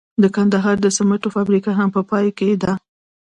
د کندهار د سمنټو فابریکه هم په پام کې ده.